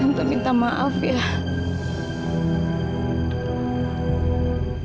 tentang minta maaf ya tante terlalu berebihan di dalam sana